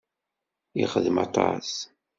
Yexdem aṭas.